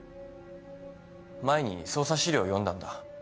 前に捜査資料を読んだんだ。